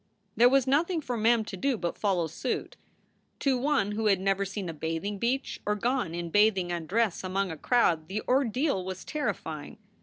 There was nothing for Mem to do but follow suit. To one who had never seen a bathing beach or gone in bathing undress among a crowd, the ordeal was terrifying.